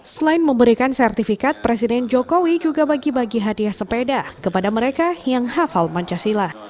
selain memberikan sertifikat presiden jokowi juga bagi bagi hadiah sepeda kepada mereka yang hafal pancasila